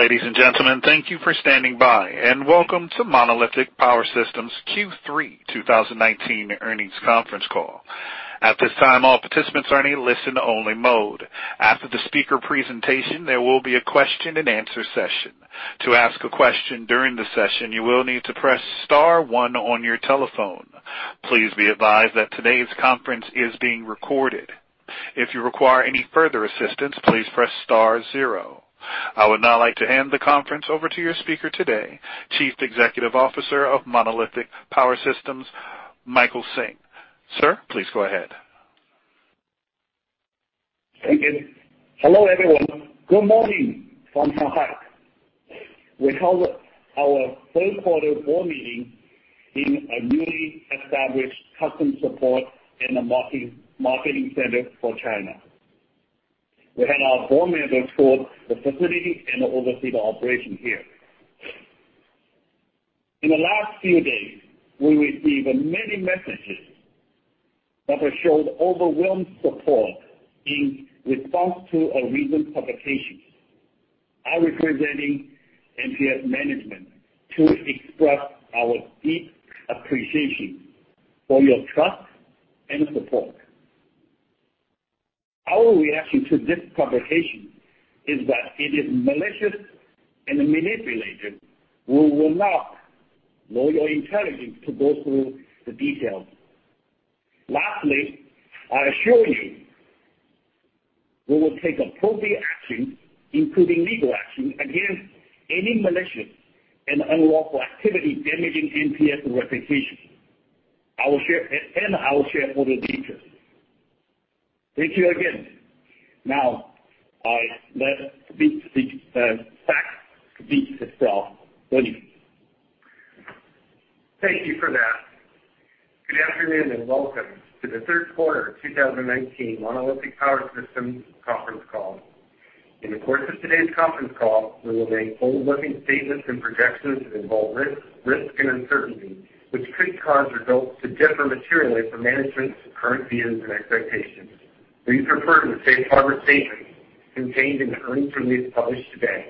Ladies and gentlemen, thank you for standing by, and welcome to Monolithic Power Systems Q3 2019 earnings conference call. At this time, all participants are in a listen-only mode. After the speaker presentation, there will be a question and answer session. To ask a question during the session, you will need to press star one on your telephone. Please be advised that today's conference is being recorded. If you require any further assistance, please press star zero. I would now like to hand the conference over to your speaker today, Chief Executive Officer of Monolithic Power Systems, Michael Hsing. Sir, please go ahead. Thank you. Hello, everyone. Good morning from Shanghai. We held our third quarter board meeting in a newly established custom support and marketing center for China. We had our board members tour the facility and oversee the operation here. In the last few days, we received many messages that have showed overwhelmed support in response to a recent publication. I'm representing MPS management to express our deep appreciation for your trust and support. Our reaction to this publication is that it is malicious and manipulated. We will not bore your intelligence to go through the details. Lastly, I assure you we will take appropriate action, including legal action, against any malicious and unlawful activity damaging MPS' reputation, and I will share all the details. Thank you again. Now, I let facts speak itself. Bernie. Thank you for that. Good afternoon, and welcome to the third quarter 2019 Monolithic Power Systems conference call. In the course of today's conference call, we will make forward-looking statements and projections that involve risk and uncertainty, which could cause results to differ materially from management's current views and expectations. Please refer to the safe harbor statement contained in the earnings release published today.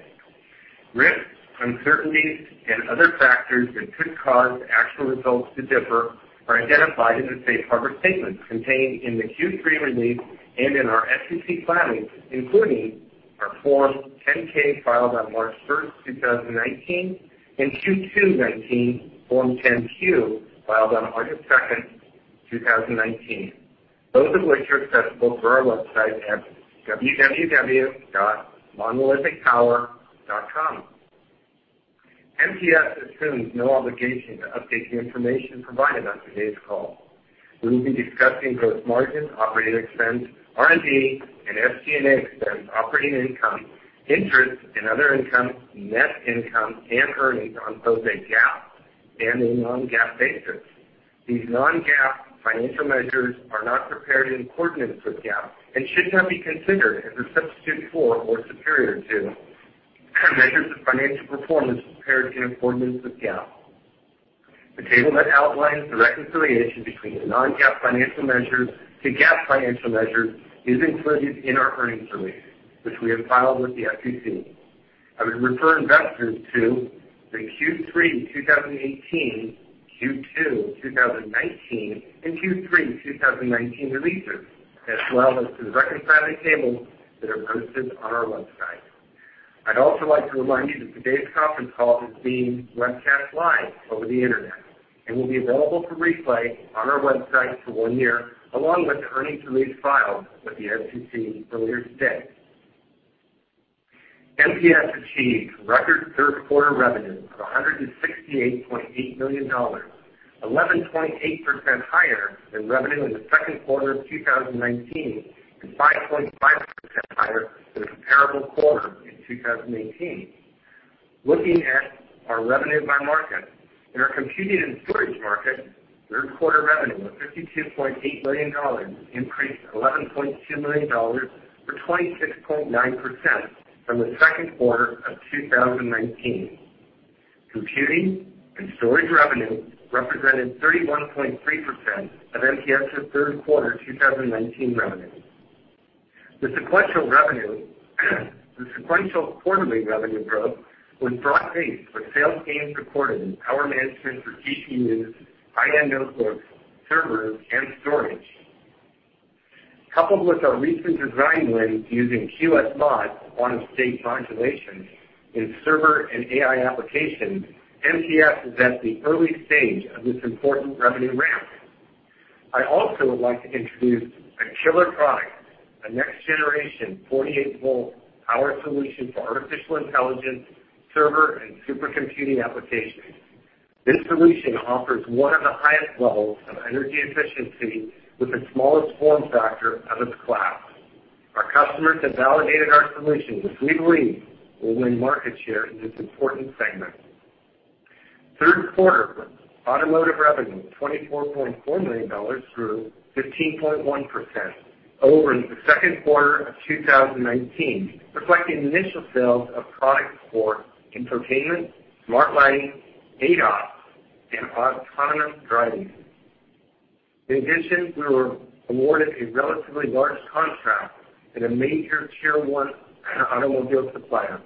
Risks, uncertainties, and other factors that could cause actual results to differ are identified in the safe harbor statement contained in the Q3 release and in our SEC filings, including our Form 10-K filed on March 1st, 2019, and Q2 2019, Form 10-Q, filed on August 2nd, 2019, both of which are accessible through our website at www.monolithicpower.com. MPS assumes no obligation to update the information provided on today's call. We will be discussing gross margin, operating expense, R&D and SG&A expense, operating income, interest and other income, net income, and earnings on both a GAAP and a non-GAAP basis. These non-GAAP financial measures are not prepared in accordance with GAAP and should not be considered as a substitute for or superior to measures of financial performance prepared in accordance with GAAP. A table that outlines the reconciliation between the non-GAAP financial measures to GAAP financial measures is included in our earnings release, which we have filed with the SEC. I would refer investors to the Q3 2018, Q2 2019, and Q3 2019 releases, as well as to the reconciling tables that are posted on our website. I'd also like to remind you that today's conference call is being webcast live over the internet and will be available for replay on our website for one year, along with the earnings release filed with the SEC earlier today. MPS achieved record third quarter revenue of $168.8 million, 11.8% higher than revenue in the second quarter of 2019, and 5.5% higher than the comparable quarter in 2018. Looking at our revenue by market, in our computing and storage market, third quarter revenue of $52.8 million increased $11.2 million, or 26.9%, from the second quarter of 2019. Computing and storage revenue represented 31.3% of MPS' third quarter 2019 revenue. The sequential quarterly revenue growth was broad-based, with sales gains recorded in power management for CPUs, high-end notebooks, servers, and storage. Coupled with our recent design wins using QSMOD, quantum state modulation, in server and AI applications, MPS is at the early stage of this important revenue ramp. I also would like to introduce a killer product, a next-generation 48-volt power solution for artificial intelligence, server, and supercomputing applications. This solution offers one of the highest levels of energy efficiency with the smallest form factor of its class. Our customers have validated our solution, which we believe will win market share in this important segment. Third quarter automotive revenue of $24.4 million grew 15.1% over the second quarter of 2019, reflecting initial sales of products for infotainment, smart lighting, ADAS, and autonomous driving. In addition, we were awarded a relatively large contract and a major Tier 1 automobile supplier.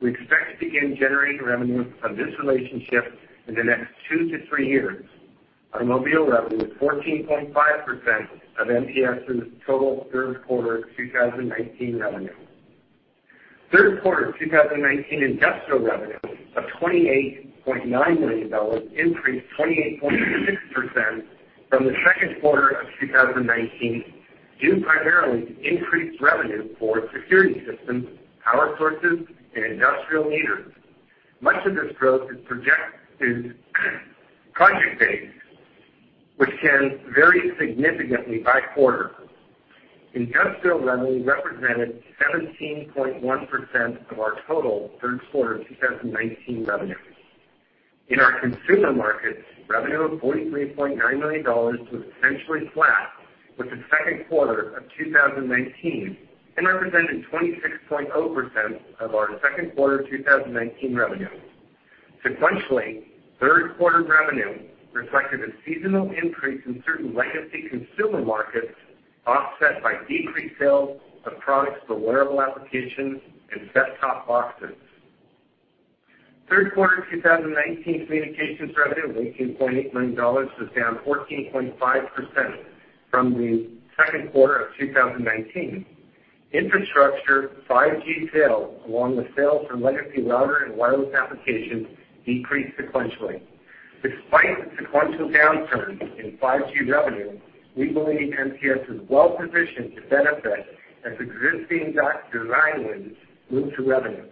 We expect to begin generating revenue from this relationship in the next two to three years. Automobile revenue of 14.5% of MPS's total third quarter 2019 revenue. Third quarter 2019 industrial revenue of $28.9 million, increased 28.6% from the second quarter of 2019, due primarily to increased revenue for security systems, power sources, and industrial meters. Much of this growth is project-based, which can vary significantly by quarter. Industrial revenue represented 17.1% of our total third quarter 2019 revenue. In our consumer markets, revenue of $43.9 million was essentially flat with the second quarter of 2019 and represented 26.0% of our second quarter 2019 revenue. Sequentially, third quarter revenue reflected a seasonal increase in certain legacy consumer markets, offset by decreased sales of products for wearable applications and set-top boxes. Third quarter 2019 communications revenue of $18.8 million was down 14.5% from the second quarter of 2019. Infrastructure 5G sales along with sales from legacy router and wireless applications decreased sequentially. Despite the sequential downturn in 5G revenue, we believe MPS is well-positioned to benefit as existing design-in wins move to revenue.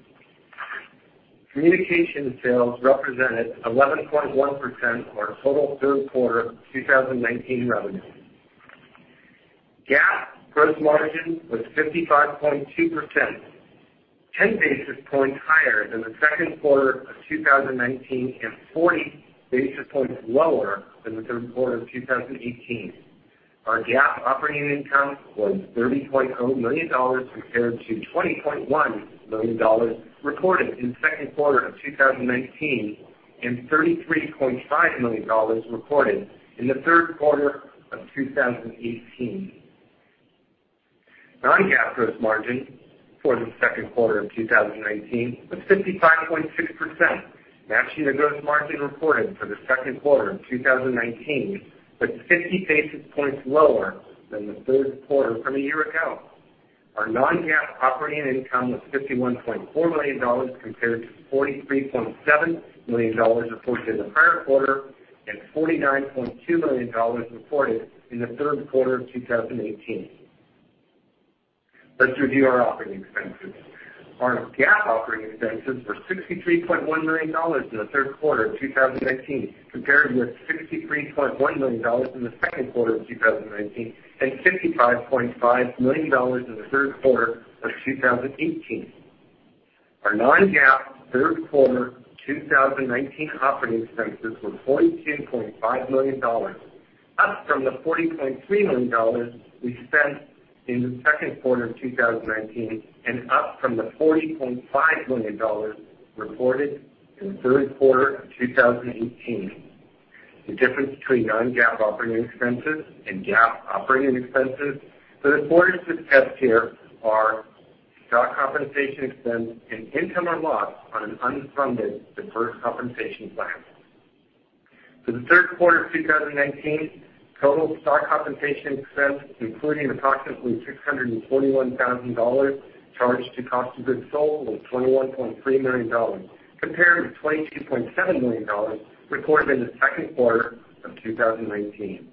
Communication sales represented 11.1% of our total third quarter 2019 revenue. GAAP gross margin was 55.2%, 10 basis points higher than the second quarter of 2019 and 40 basis points lower than the third quarter of 2018. Our GAAP operating income was $30.0 million compared to $20.1 million reported in the second quarter of 2019 and $33.5 million reported in the third quarter of 2018. Non-GAAP gross margin for the second quarter of 2019 was 55.6%, matching the gross margin reported for the second quarter of 2019, 50 basis points lower than the third quarter from a year ago. Our non-GAAP operating income was $51.4 million compared to $43.7 million reported in the prior quarter and $49.2 million reported in the third quarter of 2018. Let's review our operating expenses. Our GAAP operating expenses were $63.1 million in the third quarter of 2019, compared with $63.1 million in the second quarter of 2019 and $55.5 million in the third quarter of 2018. Our non-GAAP third quarter 2019 operating expenses were $42.5 million, up from the $40.3 million we spent in the second quarter of 2019 and up from the $40.5 million reported in the third quarter of 2018. The difference between non-GAAP operating expenses and GAAP operating expenses for the quarters discussed here are stock compensation expense and income or loss on an unfunded deferred compensation plan. For the third quarter of 2019, total stock compensation expense, including approximately $641,000 charged to cost of goods sold, was $21.3 million, compared to $22.7 million reported in the second quarter of 2019.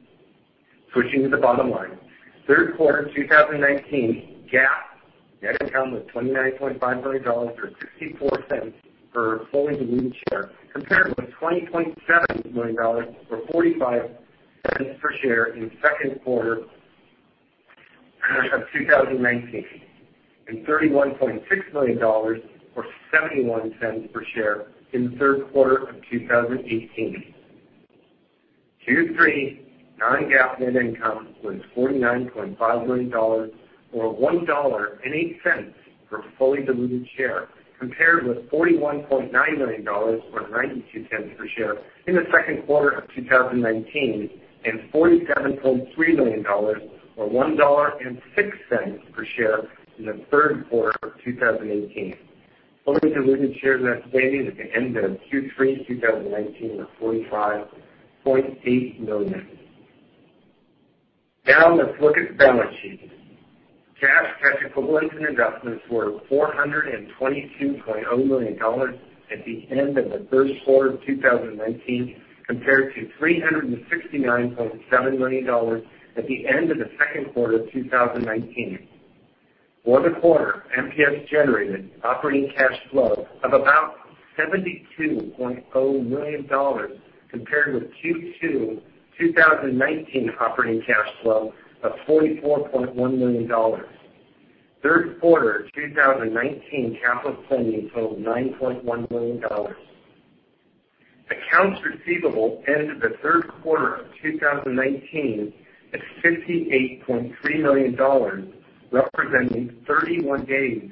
Switching to the bottom line, third quarter 2019 GAAP net income was $29.5 million, or $0.64 per fully diluted share, compared with $20.7 million, or $0.45 per share in the second quarter of 2019, and $31.6 million, or $0.71 per share in the third quarter of 2018. Q3 non-GAAP net income was $49.5 million, or $1.08 per fully diluted share, compared with $41.9 million, or $0.92 per share in the second quarter of 2019, and $47.3 million, or $1.06 per share in the third quarter of 2018. Fully diluted shares outstanding at the end of Q3 2019 were 45.8 million. Let's look at the balance sheet. Cash, cash equivalents, and investments were $422.0 million at the end of the third quarter of 2019, compared to $369.7 million at the end of the second quarter of 2019. For the quarter, MPS generated operating cash flow of about $72.0 million, compared with Q2 2019 operating cash flow of $44.1 million. Third quarter 2019 capital spending totaled $9.1 million. Accounts receivable ended the third quarter of 2019 at $58.3 million, representing 31 days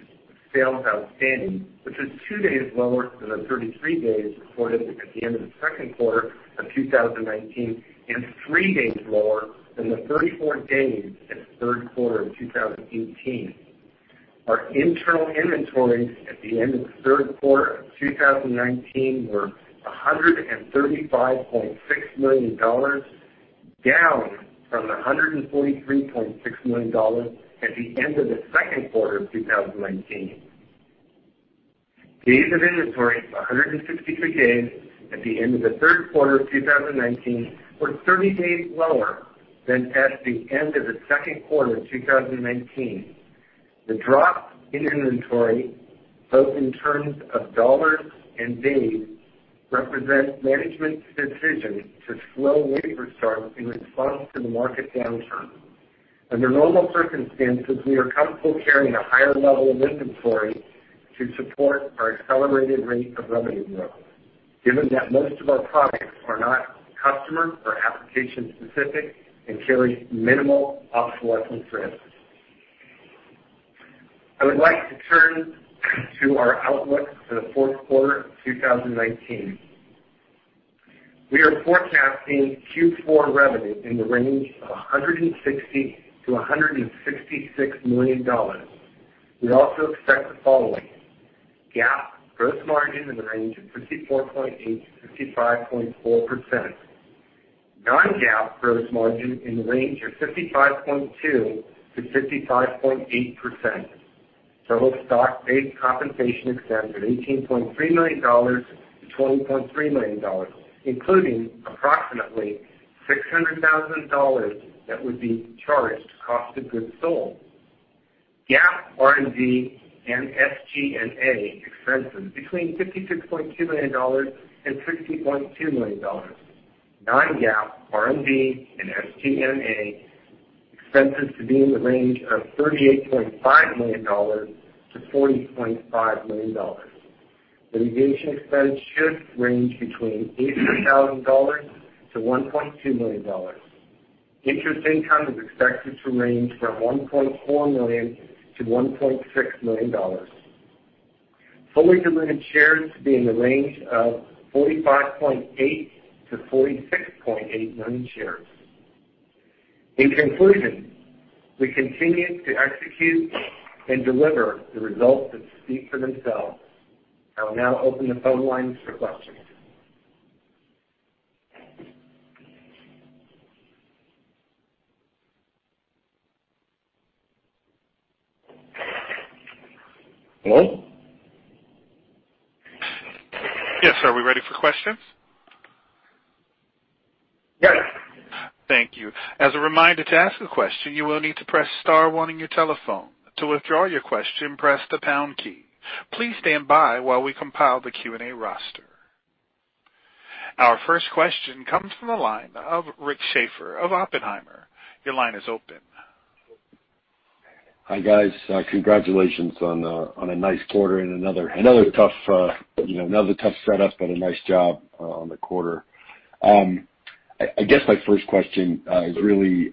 sales outstanding, which is two days lower than the 33 days reported at the end of the second quarter of 2019, and three days lower than the 34 days at the third quarter of 2018. Our internal inventories at the end of the third quarter of 2019 were $135.6 million, down from $143.6 million at the end of the second quarter of 2019. Days of inventory of 163 days at the end of the third quarter of 2019 were 30 days lower than at the end of the second quarter of 2019. The drop in inventory, both in terms of dollars and days, represent management's decision to slow wafer starts in response to the market downturn. Under normal circumstances, we are comfortable carrying a higher level of inventory to support our accelerated rate of revenue growth, given that most of our products are not customer or application-specific and carry minimal obsolescence risk. I would like to turn to our outlook for the fourth quarter of 2019. We are forecasting Q4 revenue in the range of $160 million-$166 million. We also expect the following. GAAP gross margin in the range of 54.8%-55.4%. Non-GAAP gross margin in the range of 55.2%-55.8%. Total stock-based compensation expense of $18.3 million-$20.3 million, including approximately $600,000 that would be charged to cost of goods sold. GAAP R&D and SG&A expenses between $56.2 million and $60.2 million. Non-GAAP R&D and SG&A expenses to be in the range of $38.5 million-$40.5 million. Litigation expense should range between $80,000-$1.2 million. Interest income is expected to range from $1.4 million-$1.6 million. Fully diluted shares to be in the range of 45.8 million-46.8 million shares. In conclusion, we continue to execute and deliver the results that speak for themselves. I will now open the phone lines for questions. Hello? Yes, are we ready for questions? Yes. Thank you. As a reminder, to ask a question, you will need to press *1 on your telephone. To withdraw your question, press the # key. Please stand by while we compile the Q&A roster. Our first question comes from the line of Rick Schafer of Oppenheimer. Your line is open. Hi, guys. Congratulations on a nice quarter and another tough setup, but a nice job on the quarter. I guess my first question is really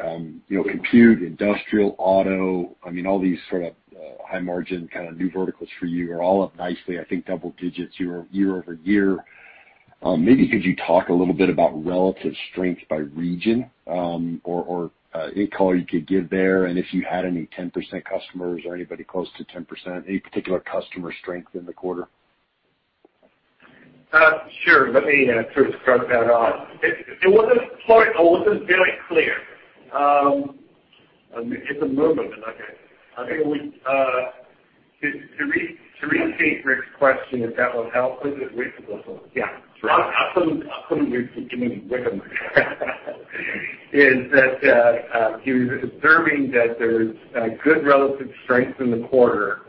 compute, industrial, auto, all these sort of high-margin kind of new verticals for you are all up nicely, I think double digits year-over-year. Maybe could you talk a little bit about relative strength by region, or any color you could give there, and if you had any 10% customers or anybody close to 10%? Any particular customer strength in the quarter? Sure. Let me sort of start that off. It wasn't very clear. It's a movement. I think to repeat Rick's question, if that would help. Is it Rick or Rick? Yeah. I'll put him with Rick. He was observing that there's a good relative strength in the quarter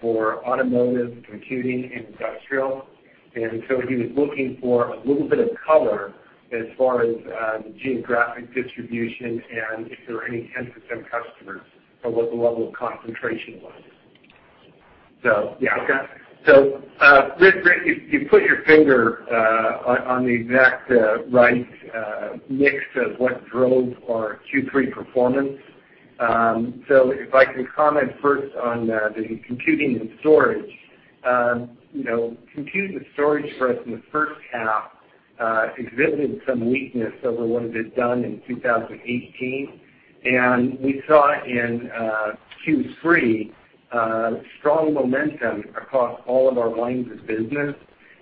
for automotive, computing, and industrial. He was looking for a little bit of color as far as the geographic distribution and if there were any 10% customers, or what the level of concentration was. Yeah. Okay. Rick, you put your finger on the exact right mix of what drove our Q3 performance. If I can comment first on the computing and storage. Compute and storage for us in the first half exhibited some weakness over what it had done in 2018. We saw in Q3 strong momentum across all of our lines of business,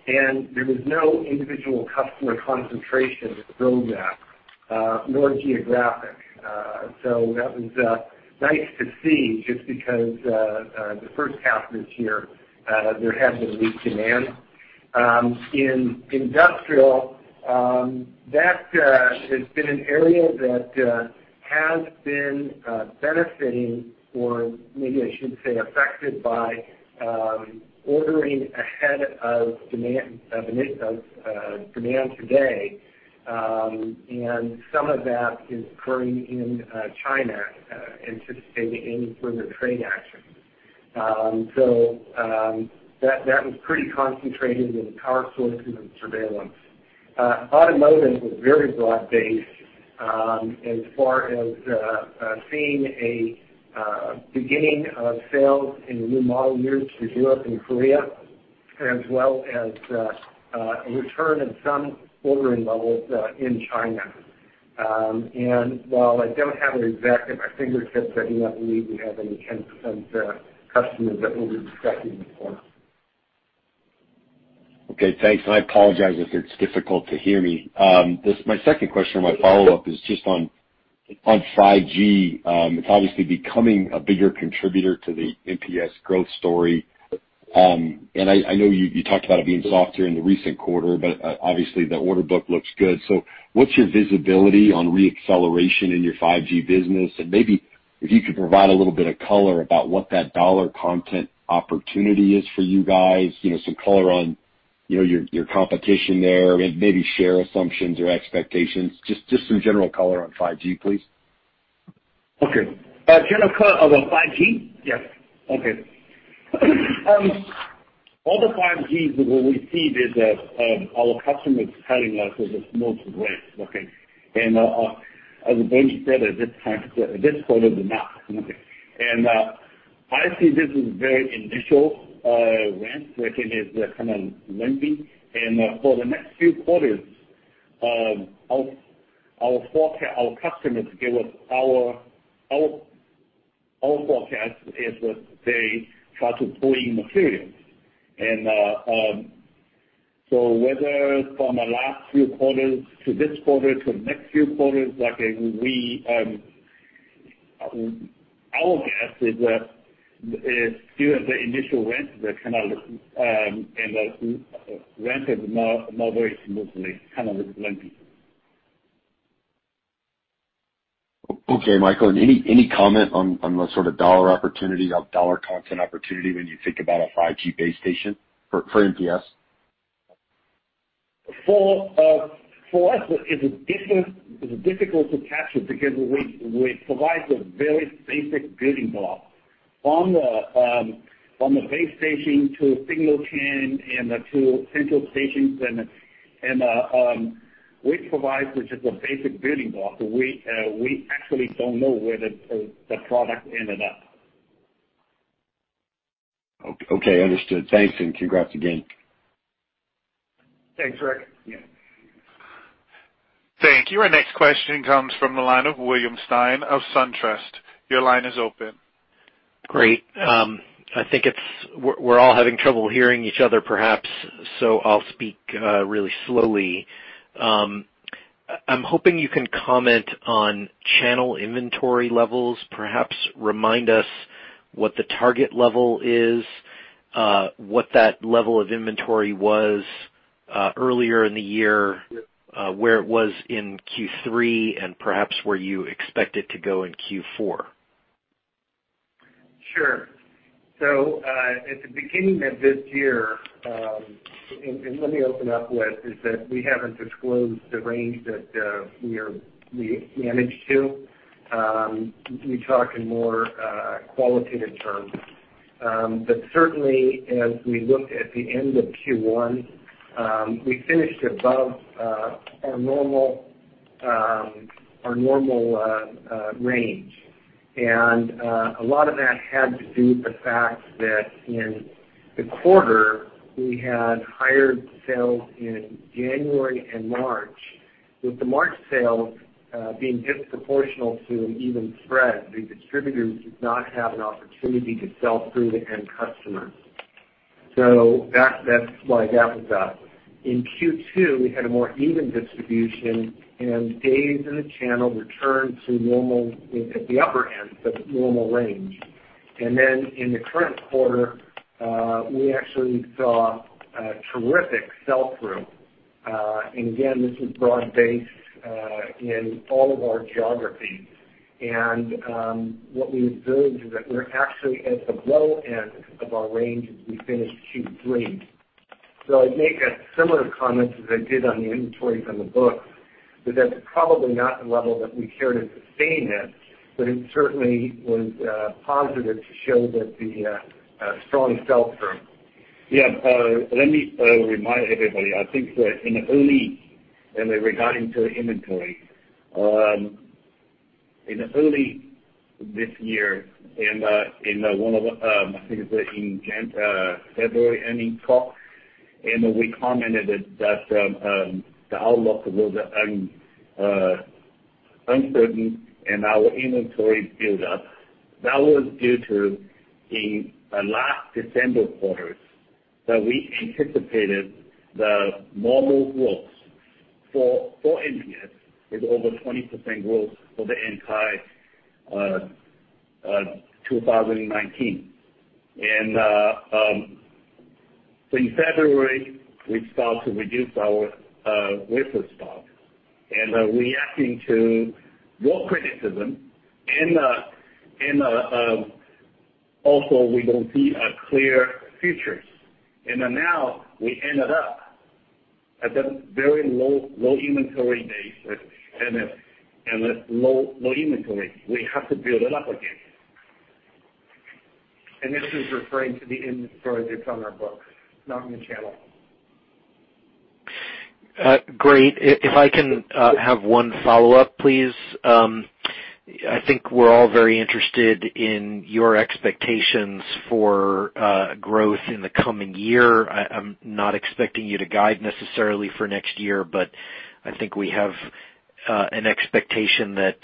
and there was no individual customer concentration that drove that, nor geographic. That was nice to see, just because the first half of this year, there had been weak demand. In industrial, that has been an area that has been benefiting, or maybe I should say affected by ordering ahead of demand today, and some of that is occurring in China, anticipating any further trade action. That was pretty concentrated in power sources and surveillance. Automotive was very broad-based. As far as seeing a beginning of sales in new model years to Europe and Korea, as well as a return of some ordering levels in China. While I don't have an exact at my fingertips, I do not believe we have any 10% customers that we'll be discussing this quarter. Okay, thanks. I apologize if it's difficult to hear me. My second question or my follow-up is just on 5G. It's obviously becoming a bigger contributor to the MPS growth story. I know you talked about it being softer in the recent quarter, but obviously the order book looks good. What's your visibility on re-acceleration in your 5G business? Maybe if you could provide a little bit of color about what that dollar content opportunity is for you guys, some color on your competition there, maybe share assumptions or expectations, just some general color on 5G, please. Okay. General color about 5G? Yes. Okay. All the 5G, what we see is our customers telling us there's a smooth ramp. Okay. As Bernie said, at this point of the ramp. Okay. I see this as very initial ramp, which it is kind of limping. For the next few quarters, our forecast, our customers give us our forecast as they try to pull in materials. Whether from the last few quarters to this quarter to next few quarters, our guess is that it's still at the initial ramp, and the ramp is not very smoothly. It's kind of limping. Okay, Michael, and any comment on the sort of dollar opportunity, dollar content opportunity when you think about a 5G base station for MPS? For us, it's difficult to capture because we provide the very basic building block. On the base station to a single RAN and to central stations, we provide just a basic building block. We actually don't know where the product ended up. Okay, understood. Thanks, and congrats again. Thanks, Rick. Yeah. Thank you. Our next question comes from the line of William Stein of SunTrust. Your line is open. Great. I think we're all having trouble hearing each other, perhaps, so I'll speak really slowly. I'm hoping you can comment on channel inventory levels, perhaps remind us what the target level is, what that level of inventory was earlier in the year? Yeah where it was in Q3, and perhaps where you expect it to go in Q4. Sure. At the beginning of this year, let me open up with, is that we haven't disclosed the range that we manage to. We talk in more qualitative terms. Certainly as we look at the end of Q1, we finished above our normal range. A lot of that had to do with the fact that in the quarter, we had higher sales in January and March, with the March sales being disproportional to an even spread. The distributors did not have an opportunity to sell through to end customers. That's why that was up. In Q2, we had a more even distribution, and days in the channel returned to normal, at the upper end of the normal range. In the current quarter, we actually saw a terrific sell-through. Again, this is broad-based in all of our geographies. What we observed is that we're actually at the low end of our range as we finish Q3. I'd make a similar comment as I did on the inventories on the books, that that's probably not the level that we care to sustain at, but it certainly was positive to show the strong sell-through. Yeah. Let me remind everybody, I think that in early, and regarding to inventory, in early this year in, I think it's in February, annual talk, and we commented that the outlook was uncertain and our inventory build-up, that was due to in last December quarters, that we anticipated the normal growth for MPS is over 20% growth for the entire 2019. In February, we start to reduce our inventory stock and reacting to more criticism, and also we don't see a clear futures. Now we ended up at the very low inventory days, and with low inventory, we have to build it up again. This is referring to the inventory that's on our books, not in the channel. Great. If I can have one follow-up, please. I think we're all very interested in your expectations for growth in the coming year. I'm not expecting you to guide necessarily for next year, but I think we have an expectation that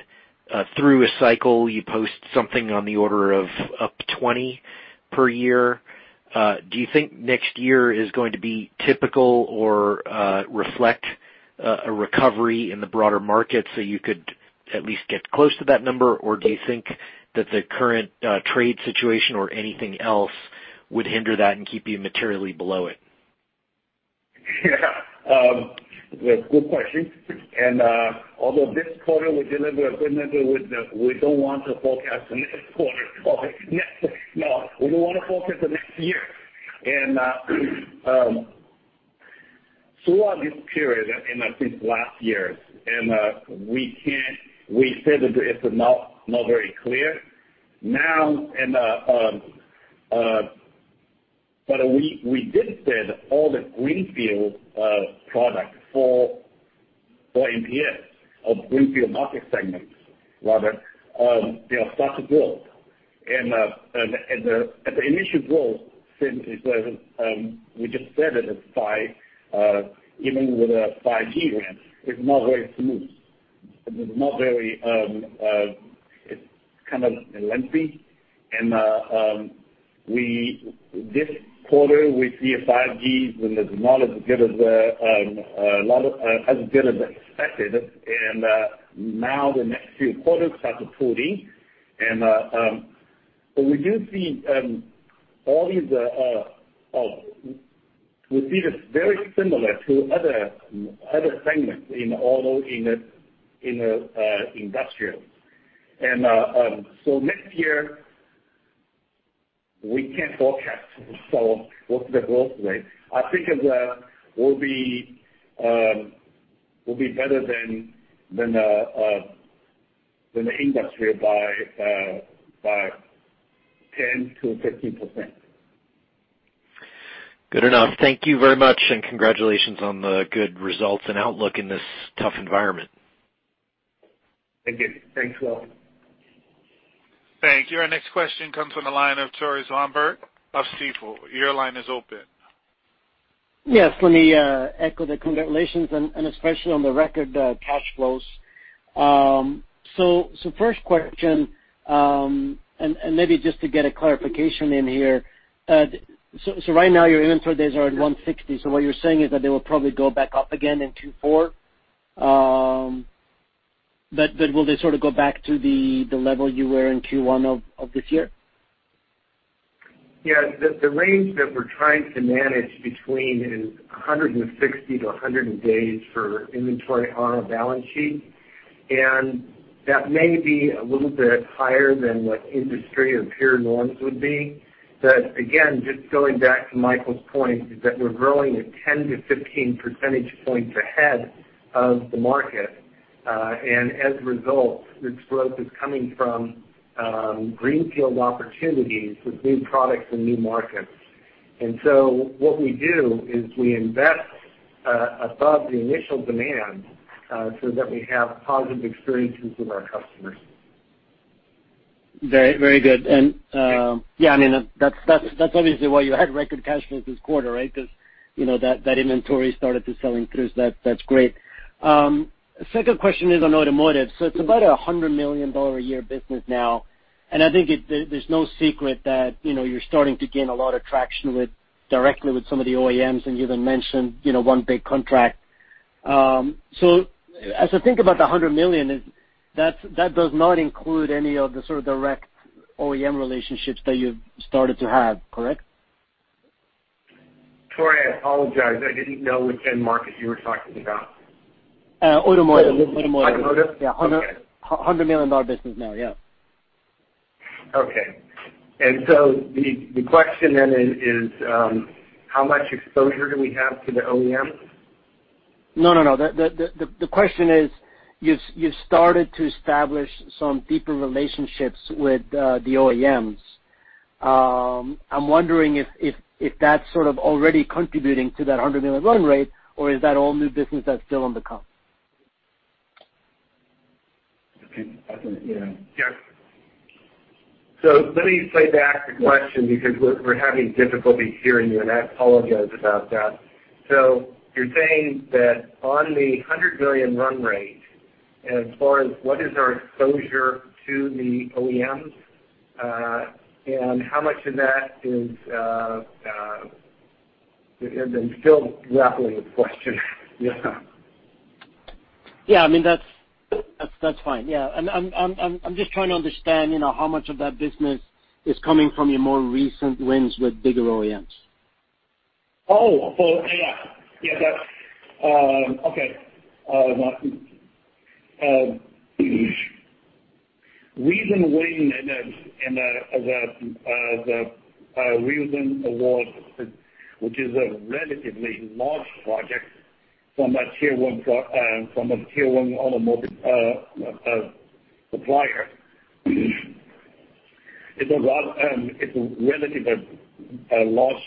through a cycle, you post something on the order of up 20 per year. Do you think next year is going to be typical or reflect a recovery in the broader market, so you could at least get close to that number? Or do you think that the current trade situation or anything else would hinder that and keep you materially below it? Yeah. Good question. Although this quarter we deliver a good number, we don't want to forecast the next quarter. No, we don't want to forecast the next year. Throughout this period, and since last year, and we said it's not very clear. We did said all the greenfield products for MPS, or greenfield market segments rather, they are start to grow. At the initial growth, since it was, we just said it, even with 5G ramp, it's not very smooth. It's kind of lengthy. This quarter, we see 5G, and it's not as good as expected. Now the next few quarters start to pull in. We see that's very similar to other segments in auto, in industrial. Next year, we can't forecast what's the growth rate. I think it will be better than the industry by 10%-15%. Good enough. Thank you very much, and congratulations on the good results and outlook in this tough environment. Thank you. Thanks, Will. Thank you. Our next question comes from the line of Tore Svanberg of Stifel. Your line is open. Yes, let me echo the congratulations and especially on the record cash flows. First question, maybe just to get a clarification in here. Right now your inventory days are at 160. What you're saying is that they will probably go back up again in Q4? Will they sort of go back to the level you were in Q1 of this year? Yeah. The range that we're trying to manage between is 160 to 100 days for inventory on our balance sheet, and that may be a little bit higher than what industry or peer norms would be. Again, just going back to Michael's point, is that we're growing at 10 to 15 percentage points ahead of the market. As a result, this growth is coming from greenfield opportunities with new products and new markets. What we do is we invest above the initial demand, so that we have positive experiences with our customers. Very good. Yeah, that's obviously why you had record cash flows this quarter, right? Because that inventory started to sell through. That's great. Second question is on automotive. It's about $100 million a year business now, and I think there's no secret that you're starting to gain a lot of traction directly with some of the OEMs, and you even mentioned one big contract. As I think about the $100 million, that does not include any of the sort of direct OEM relationships that you've started to have, correct? Tore, I apologize, I didn't know which end market you were talking about. Automotive. Automotive? Okay. Yeah. $100 million business now, yeah. Okay. The question then is how much exposure do we have to the OEMs? No, no. The question is, you've started to establish some deeper relationships with the OEMs. I'm wondering if that's sort of already contributing to that $100 million run rate, or is that all new business that's still on the come? Yeah. Yes. Let me play back the question because we're having difficulty hearing you, and I apologize about that. You're saying that on the $100 million run rate, as far as what is our exposure to the OEMs, and how much of that is I'm still grappling with the question. Yeah. Yeah. That's fine. Yeah. I'm just trying to understand how much of that business is coming from your more recent wins with bigger OEMs. Oh. Well, yeah. Okay. Recent win and the recent award, which is a relatively large project. From a tier 1 automotive supplier. It's a relatively large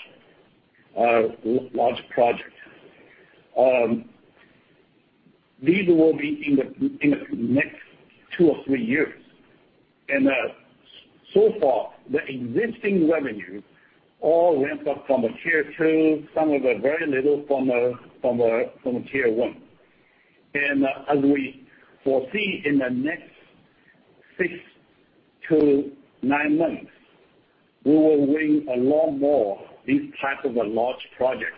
project. These will be in the next two or three years. So far, the existing revenue all ramped up from a tier 2, some of the very little from tier 1. As we foresee in the next six to nine months, we will win a lot more these type of a large project.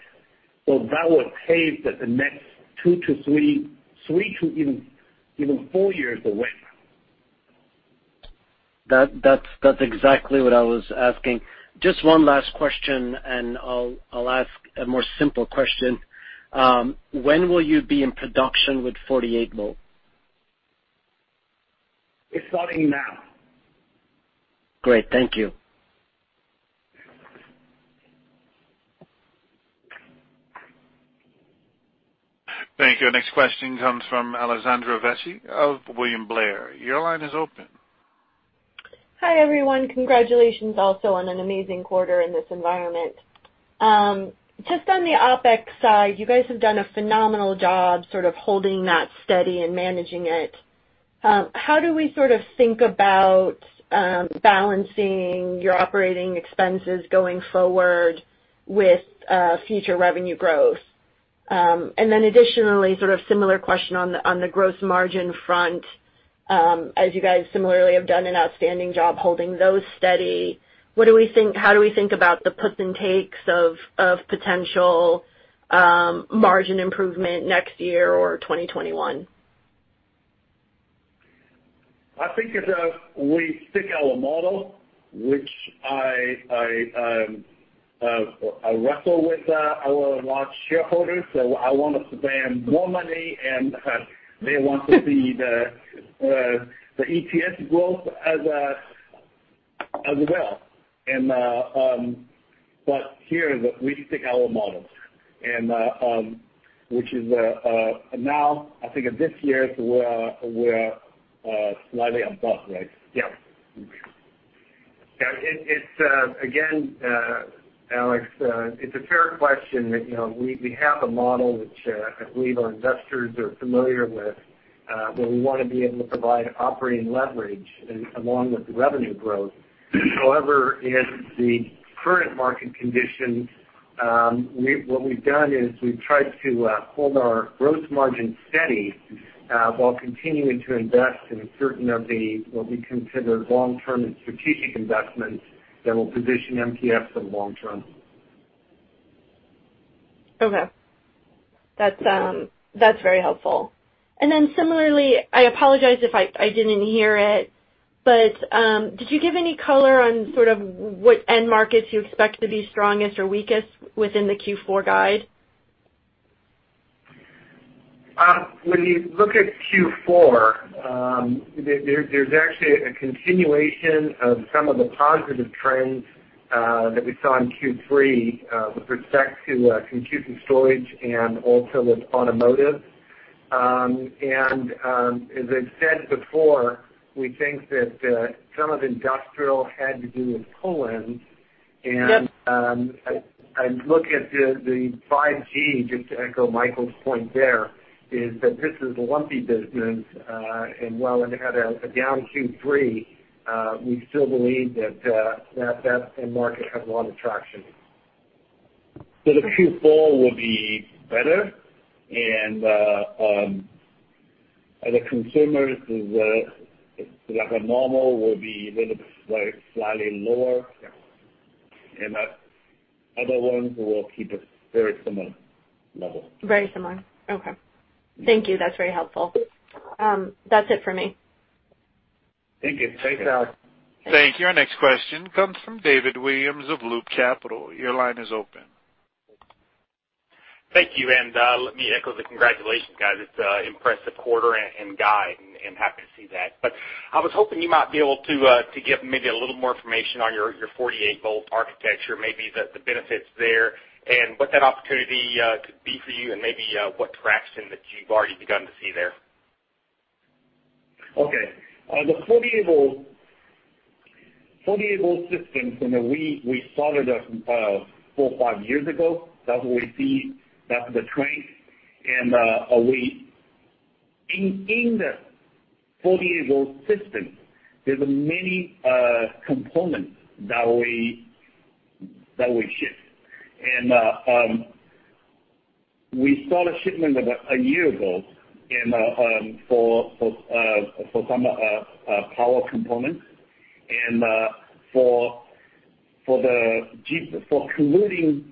That will pave the next two to three to even four years away. That's exactly what I was asking. Just one last question, and I'll ask a more simple question. When will you be in production with 48 volt? It's starting now. Great. Thank you. Thank you. Next question comes from Alexandra Vessey of William Blair. Your line is open. Hi, everyone. Congratulations also on an amazing quarter in this environment. Just on the OpEx side, you guys have done a phenomenal job sort of holding that steady and managing it. How do we sort of think about balancing your operating expenses going forward with future revenue growth? Then additionally, sort of similar question on the gross margin front, as you guys similarly have done an outstanding job holding those steady, how do we think about the puts and takes of potential margin improvement next year or 2021? I think as we stick our model, which I wrestle with our large shareholders, so I want to spend more money and they want to see the EPS growth as well. Here, we stick our model, which is now I think this year we're slightly above, right? Yeah. It's, again, Alex, it's a fair question. We have a model, which I believe our investors are familiar with, where we want to be able to provide operating leverage along with the revenue growth. However, in the current market condition, what we've done is we've tried to hold our gross margin steady, while continuing to invest in certain of the, what we consider long-term and strategic investments that will position MPS for the long term. Okay. That's very helpful. Similarly, I apologize if I didn't hear it, but did you give any color on sort of what end markets you expect to be strongest or weakest within the Q4 guide? When you look at Q4, there's actually a continuation of some of the positive trends that we saw in Q3 with respect to computing storage and also with automotive. As I've said before, we think that some of industrial had to do with pull-in. Yes I look at the 5G, just to echo Michael's point there, is that this is a lumpy business. While it had a down Q3, we still believe that that end market has a lot of traction. The Q4 will be better, and the consumer, like a normal, will be a little slightly lower. Yeah. The other ones will keep a very similar level. Very similar. Okay. Thank you. That is very helpful. That is it for me. Thank you. Thanks, Alex. Thank you. Our next question comes from David Williams of Loop Capital. Your line is open. Thank you, and let me echo the congratulations, guys. It's an impressive quarter and guide, and happy to see that. I was hoping you might be able to give maybe a little more information on your 48 volt architecture, maybe the benefits there and what that opportunity could be for you and maybe what traction that you've already begun to see there. Okay. The 48 volt systems, we started four or five years ago. That we see that's the trend, and in the 48 volt system, there's many components that we ship. We start a shipment a year ago for some power components and for including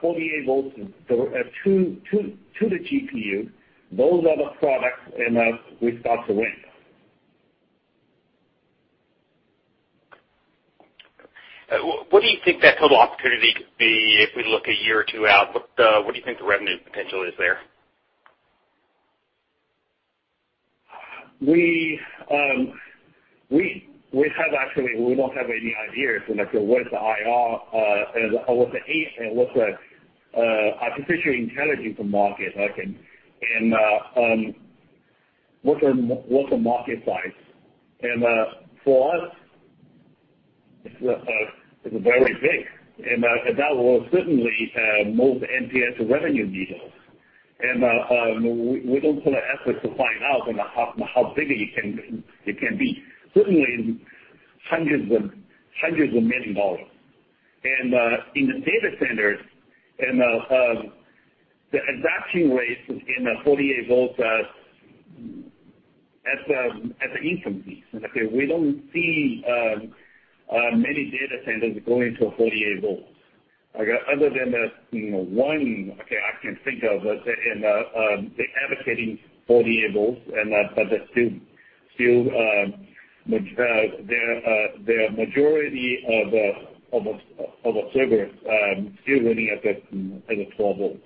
48 volts to the GPU. Those are the products and we start to win. What do you think that total opportunity could be if we look a year or two out? What do you think the revenue potential is there? We don't have any ideas on what the IR and what the AI, what the artificial intelligence market, and what the market size. For us, it's very big, and that will certainly move MPS revenue needles. We don't put an effort to find out how big it can be. Certainly $ hundreds of many dollars. In the data centers, and the adoption rates in 48 volts are at the infant stage. Okay? We don't see many data centers going to 48 volts. Other than the one, okay, I can think of, and they're advocating 48 volts, but their majority of the servers are still running at the 12 volts.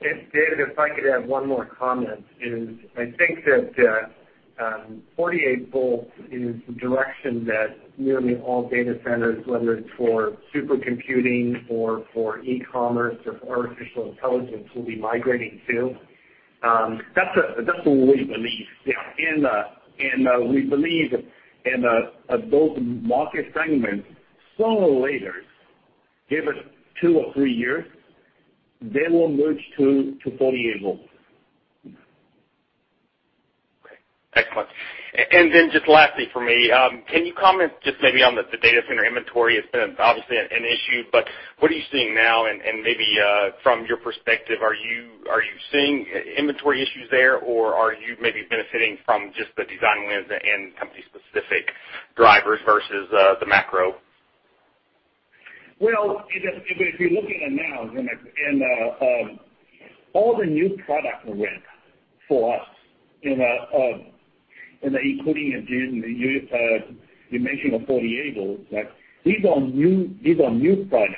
David, if I could add one more comment is, I think that 48 volts is the direction that nearly all data centers, whether it's for super computing or for e-commerce or for artificial intelligence, will be migrating to. That's what we believe. Yeah. We believe in those market segments, sooner or later, give it two or three years, they will merge to 48 volts. Okay. Excellent. Then just lastly from me, can you comment just maybe on the data center inventory? It's been obviously an issue, but what are you seeing now and maybe from your perspective, are you seeing inventory issues there, or are you maybe benefiting from just the design wins and company specific drivers versus the macro? Well, if you're looking at now, all the new product wins for us, and including again, you mentioned the 48 volts, these are new products.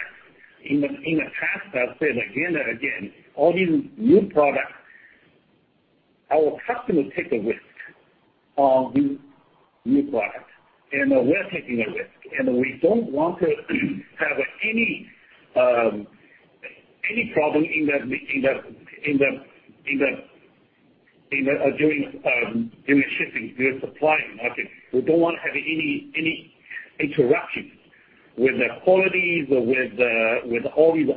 In the past, I've said again and again, all these new products, our customers take a risk on new products, and we're taking a risk, and we don't want to have any problem during shipping, during supplying. Okay? We don't want to have any interruptions with the qualities or with all these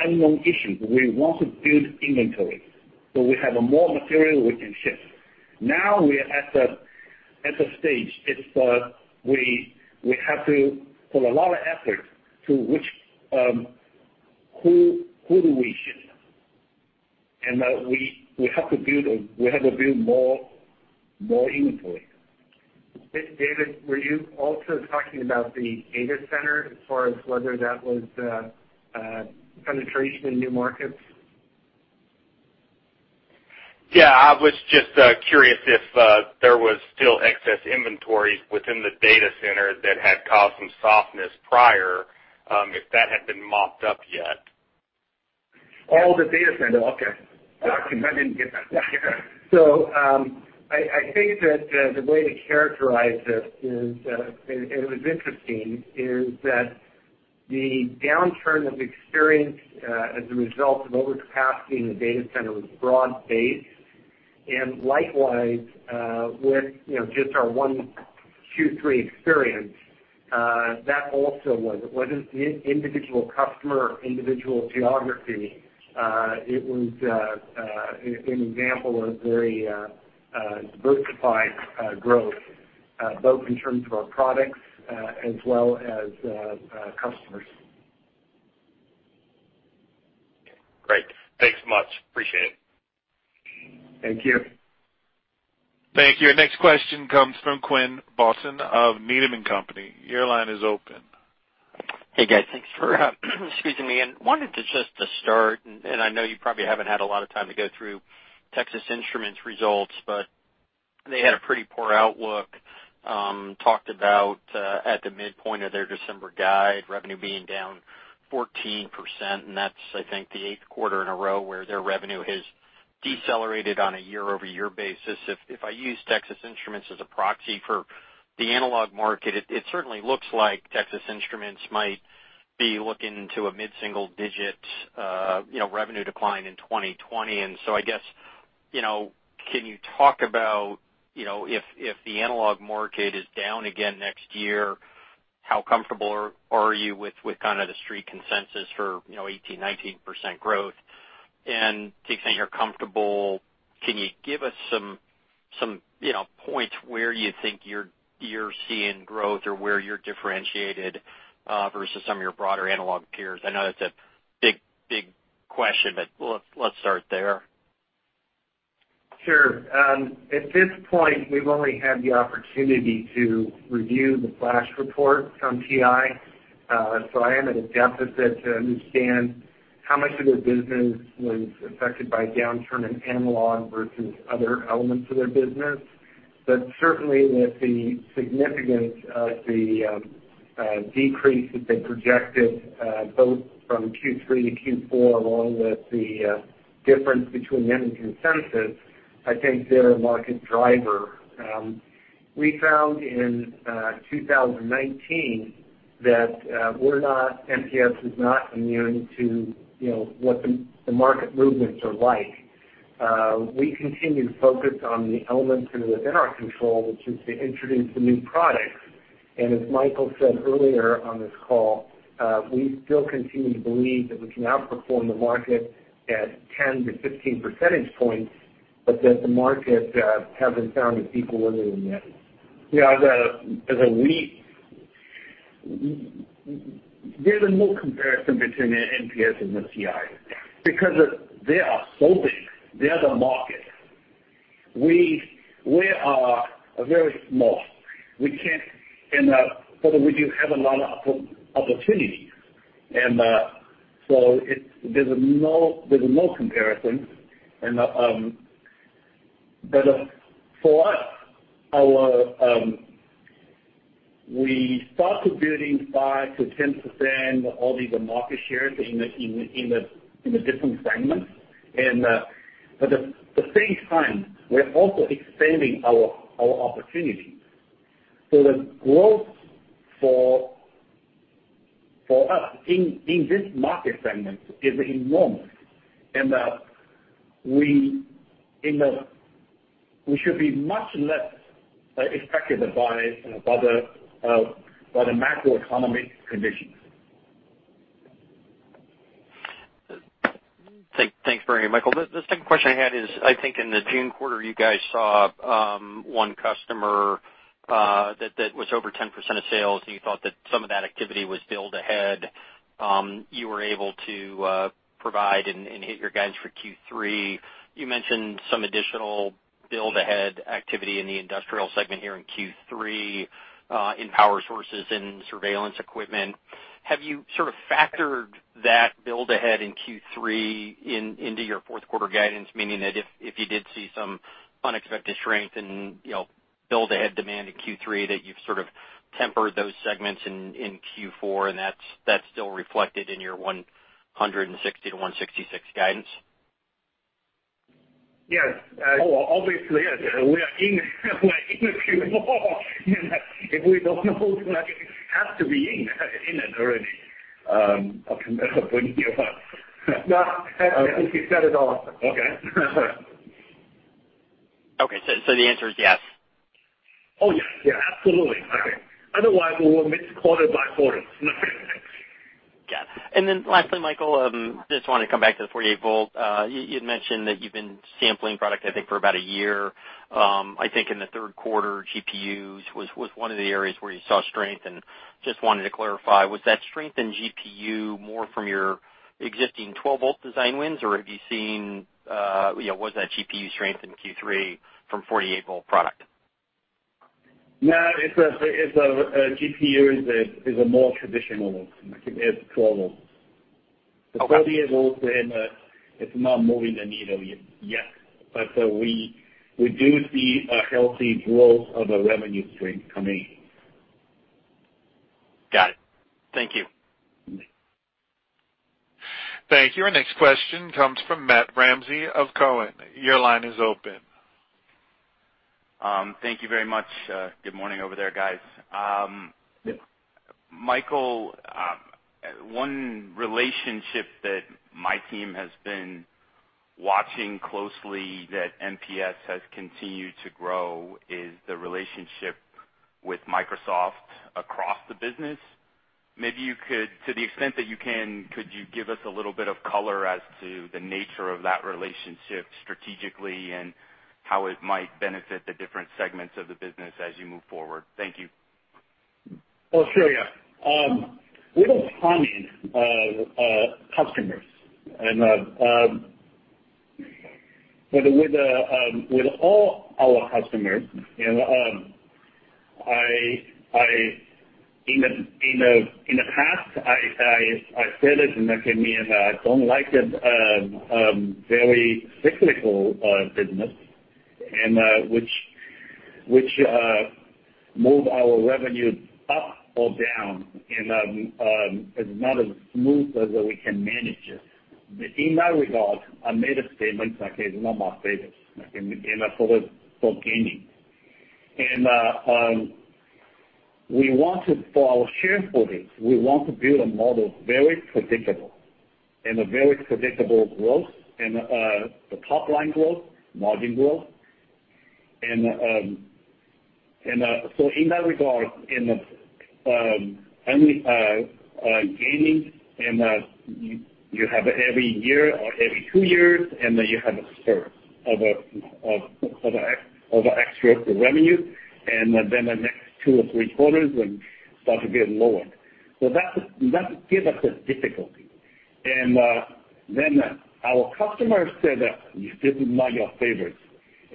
unknown issues. We want to build inventory, so we have more material we can ship. Now we are at a stage, we have to put a lot of effort to who do we ship, and we have to build more inventory. David, were you also talking about the data center as far as whether that was penetration in new markets? Yeah, I was just curious if there was still excess inventory within the data center that had caused some softness prior, if that had been mopped up yet? Oh, the data center. Okay. Got you. I didn't get that. Yeah. I think that the way to characterize it, and it was interesting, is that the downturn that we experienced, as a result of overcapacity in the data center was broad-based. Likewise, with just our 123 experience, that also wasn't individual customer, individual geography. It was an example of very diversified growth, both in terms of our products as well as customers. Great. Thanks much. Appreciate it. Thank you. Thank you. Next question comes from Quinn Bolton of Needham & Company. Your line is open. Hey, guys, thanks for squeezing me in. Wanted to just start. I know you probably haven't had a lot of time to go through Texas Instruments results. They had a pretty poor outlook, talked about at the midpoint of their December guide, revenue being down 14%. That's, I think, the eighth quarter in a row where their revenue has decelerated on a year-over-year basis. If I use Texas Instruments as a proxy for the analog market, it certainly looks like Texas Instruments might be looking to a mid-single digit revenue decline in 2020. I guess, can you talk about if the analog market is down again next year, how comfortable are you with kind of the street consensus for 18%-19% growth? To the extent you're comfortable, can you give us some points where you think you're seeing growth or where you're differentiated versus some of your broader analog peers? I know that's a big question, but let's start there. Sure. At this point, we've only had the opportunity to review the flash report from TI. I am at a deficit to understand how much of their business was affected by downturn in analog versus other elements of their business. Certainly with the significance of the decrease that's been projected, both from Q3 to Q4, along with the difference between them and consensus, I think they're a market driver. We found in 2019 that MPS is not immune to what the market movements are like. We continue to focus on the elements that are within our control, which is to introduce the new products. As Michael said earlier on this call, we still continue to believe that we can outperform the market at 10 to 15 percentage points, but that the market hasn't found its equilibrium yet. There's no comparison between MPS and TI, because they are so big. They are the market. We are very small, but we do have a lot of opportunities. There's no comparison, but for us, we started building 5% to 10% all these market shares in the different segments. At the same time, we're also expanding our opportunities. The growth for us in this market segment is enormous, and we should be much less affected by the macro-economy conditions. Thanks very much, Michael. The second question I had is, I think in the June quarter, you guys saw one customer that was over 10% of sales, and you thought that some of that activity was billed ahead. You were able to provide and hit your guidance for Q3. You mentioned some additional build-ahead activity in the industrial segment here in Q3, in power sources and surveillance equipment. Have you sort of factored that build ahead in Q3 into your fourth quarter guidance, meaning that if you did see some unexpected strength and build-ahead demand in Q3, that you've sort of tempered those segments in Q4, and that's still reflected in your $160 million-$166 million guidance? Yes. Oh, obviously, yes. We are in a few more, and if we don't know, it has to be in it already. No, I think you said it all. Okay. Okay, the answer is yes? Oh, yes. Absolutely. Okay. Otherwise, we will miss quarter by quarter. Got it. Lastly, Michael, just want to come back to the 48 volt. You had mentioned that you've been sampling product, I think, for about a year. I think in the third quarter, GPUs was one of the areas where you saw strength. Just wanted to clarify. Was that strength in GPU more from your existing 12-volt design wins, or was that GPU strength in Q3 from 48-volt product? No, GPU is more traditional. It's 12 volt. Okay. The 48 volt, it's not moving the needle yet. We do see a healthy growth of the revenue stream coming in. Got it. Thank you. Thank you. Our next question comes from Matthew Ramsay of Cowen. Your line is open. Thank you very much. Good morning over there, guys. Yeah. Michael, one relationship that my team has been watching closely that MPS has continued to grow is the relationship with Microsoft across the business. Maybe to the extent that you can, could you give us a little bit of color as to the nature of that relationship strategically and how it might benefit the different segments of the business as you move forward? Thank you. Oh, sure, yeah. We have ton of customers, and with all our customers, in the past, I said it, and I don't like it, very cyclical business, and which move our revenue up or down, and it's not as smooth as we can manage it. In that regard, I made a statement, okay, it's one of my favorites, and that was for gaming. We want for our shareholders, we want to build a model very predictable, and a very predictable growth and the top-line growth, margin growth. In that regard, in the gaming, and you have every year or every two years, and then you have a surge of extra revenue, and then the next two or three quarters start to get lower. That gives us a difficulty. Our customers said that this is not your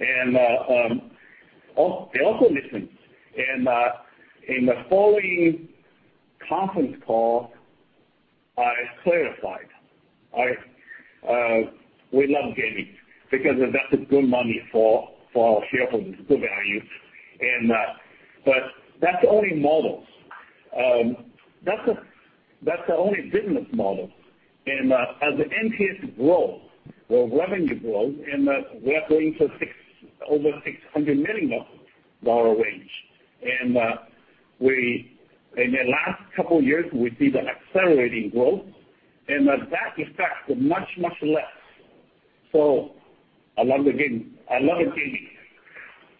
favorite. They also listened. In the following conference call I clarified. We love gaming because that's good money for our shareholders, good value. That's the only model. That's the only business model. As MPS grows, our revenue grows, and we are going for over $600 million range. In the last couple years, we see the accelerating growth and that affects much, much less. I love the gaming.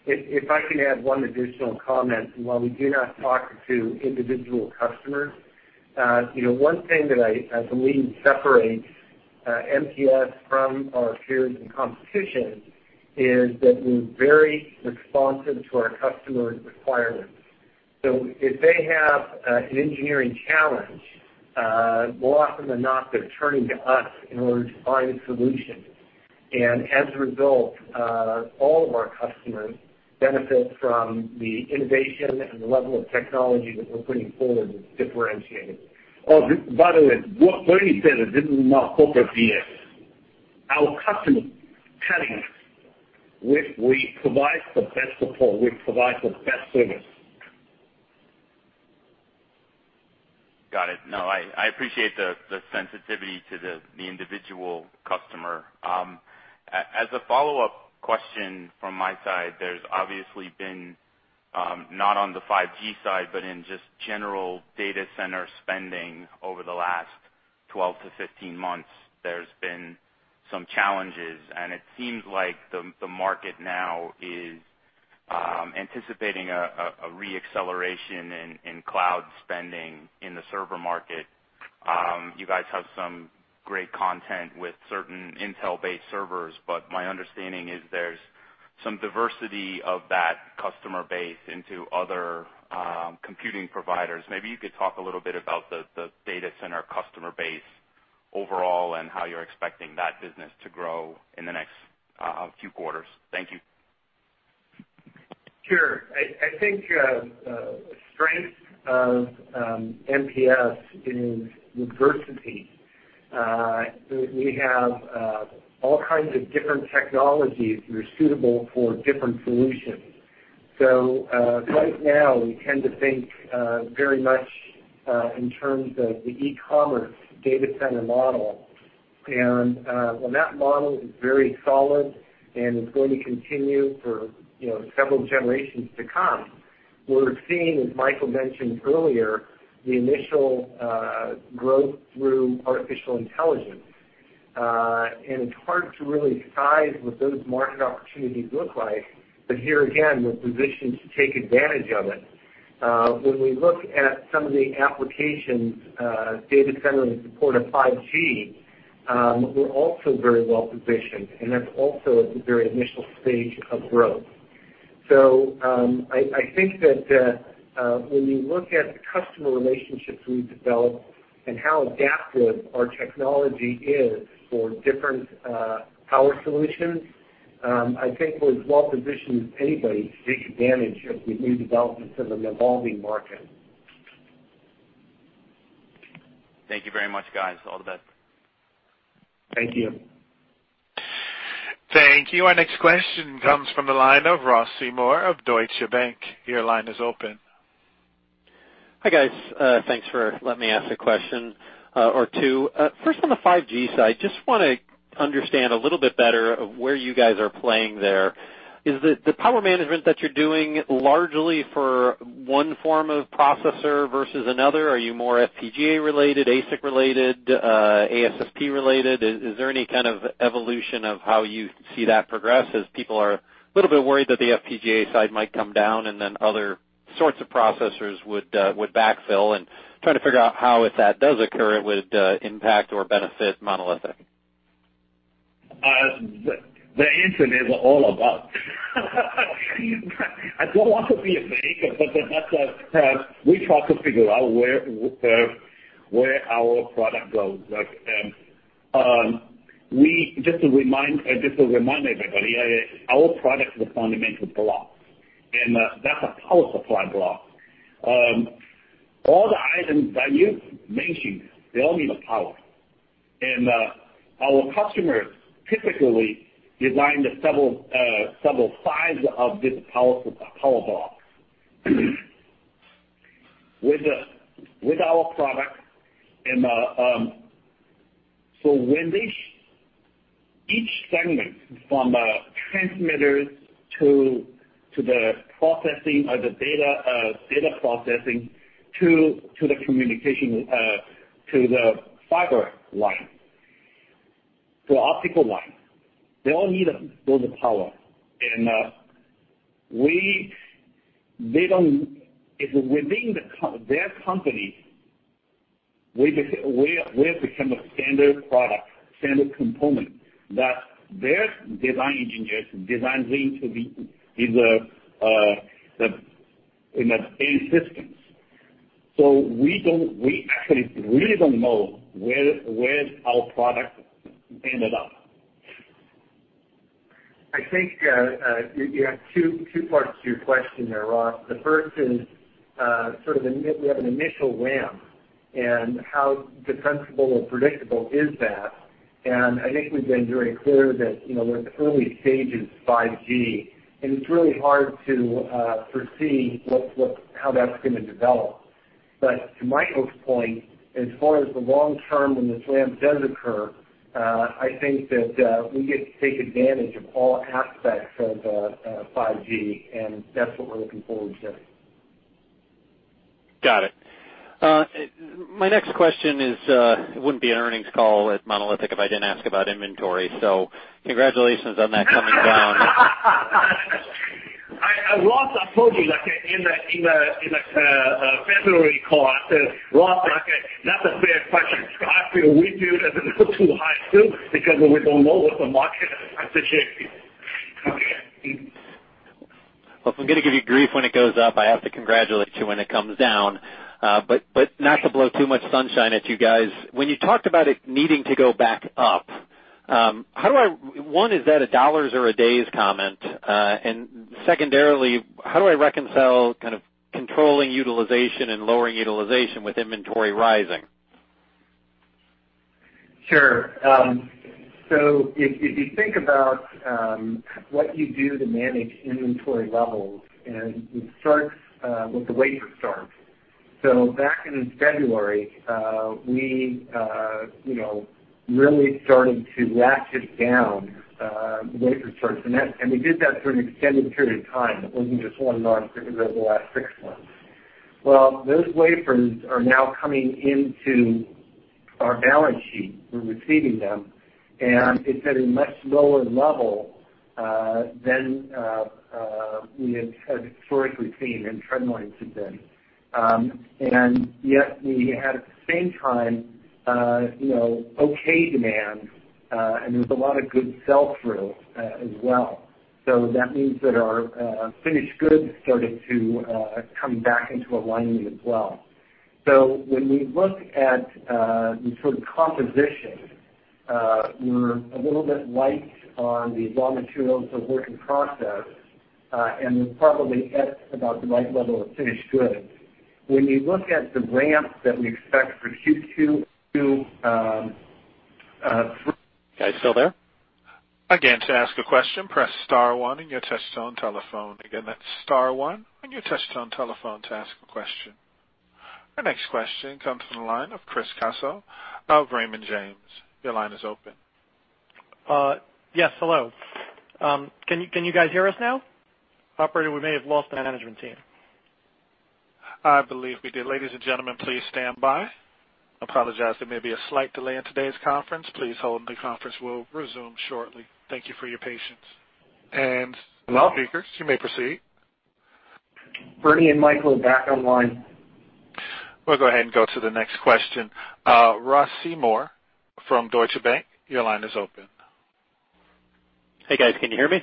If I can add one additional comment. While we do not talk to individual customers, one thing that I believe separates MPS from our peers in competition is that we're very responsive to our customers' requirements. If they have an engineering challenge, more often than not, they're turning to us in order to find a solution. As a result, all of our customers benefit from the innovation and the level of technology that we're putting forward that's differentiating. Oh, by the way, what Bernie said, this is not corporate BS. Our customers telling us we provide the best support, we provide the best service. Got it. No, I appreciate the sensitivity to the individual customer. As a follow-up question from my side, there's obviously been, not on the 5G side, but in just general data center spending over the last 12 to 15 months, there's been some challenges, and it seems like the market now is anticipating a re-acceleration in cloud spending in the server market. You guys have some great content with certain Intel-based servers. My understanding is there's some diversity of that customer base into other computing providers. Maybe you could talk a little bit about the data center customer base overall, and how you're expecting that business to grow in the next few quarters. Thank you. Sure. I think a strength of MPS is diversity. We have all kinds of different technologies that are suitable for different solutions. Right now we tend to think very much in terms of the e-commerce data center model, and that model is very solid, and it's going to continue for several generations to come. We're seeing, as Michael mentioned earlier, the initial growth through artificial intelligence. It's hard to really size what those market opportunities look like, but here again, we're positioned to take advantage of it. When we look at some of the applications data center in support of 5G, we're also very well-positioned, and that's also at the very initial stage of growth. I think that when you look at the customer relationships we've developed and how adaptive our technology is for different power solutions, I think we're as well-positioned as anybody to take advantage of the new developments in an evolving market. Thank you very much, guys. All the best. Thank you. Thank you. Our next question comes from the line of Ross Seymore of Deutsche Bank. Your line is open. Hi, guys. Thanks for letting me ask a question or two. On the 5G side, just want to understand a little bit better of where you guys are playing there. Is the power management that you're doing largely for one form of processor versus another? Are you more FPGA related, ASIC related, ASSP related? Is there any kind of evolution of how you see that progress, as people are a little bit worried that the FPGA side might come down and then other sorts of processors would backfill, and trying to figure out how, if that does occur, it would impact or benefit Monolithic. The answer is all of that. I don't want to be evasive, but that's we try to figure out where our product goes. Just to remind everybody, our product is a fundamental block, and that's a power supply block. All the items that you mentioned, they all need power. Our customers typically design the several size of this power block with our product. When each segment, from transmitters to the processing of the data processing, to the communication, to the fiber line, to the optical line, they all need those power. Within their company, we have become a standard product, standard component, that their design engineers design these end systems. We actually really don't know where our product ended up I think you have two parts to your question there, Ross. The first is we have an initial ramp and how defensible or predictable is that. I think we've been very clear that we're in the early stages of 5G, and it's really hard to foresee how that's going to develop. To Michael's point, as far as the long term, when this ramp does occur, I think that we get to take advantage of all aspects of 5G, and that's what we're looking forward to. Got it. My next question is, it wouldn't be an earnings call at Monolithic if I didn't ask about inventory, so congratulations on that coming down. Ross, I told you in the February call, I said, Ross, that's a fair question. I feel we view it as a little too high too, because we don't know what the market is anticipating. Well, if I'm going to give you grief when it goes up, I have to congratulate you when it comes down. Not to blow too much sunshine at you guys. When you talked about it needing to go back up, one, is that a dollars or a days comment? Secondarily, how do I reconcile kind of controlling utilization and lowering utilization with inventory rising? Sure. If you think about what you do to manage inventory levels, and it starts with the wafer start. Back in February, we really started to ratchet down the wafer starts, and we did that for an extended period of time. It wasn't just one month. It was over the last six months. Those wafers are now coming into our balance sheet. We're receiving them, and it's at a much lower level than we had historically seen and trend lines had been. Yet we had, at the same time, okay demand, and there was a lot of good sell-through as well. That means that our finished goods started to come back into alignment as well. When we look at the sort of composition, we're a little bit light on the raw materials for work in process. We're probably at about the right level of finished goods. When you look at the ramp that we expect for Q2 to- Guys still there? To ask a question, press *1 on your touch-tone telephone. That's *1 on your touch-tone telephone to ask a question. Our next question comes from the line of Chris Caso of Raymond James. Your line is open. Yes, hello. Can you guys hear us now? Operator, we may have lost the management team. I believe we did. Ladies and gentlemen, please stand by. I apologize. There may be a slight delay in today's conference. Please hold. The conference will resume shortly. Thank you for your patience. Hello? Speakers, you may proceed. Bernie and Michael are back online. We'll go ahead and go to the next question. Ross Seymore from Deutsche Bank, your line is open. Hey, guys. Can you hear me?